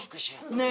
ねえ。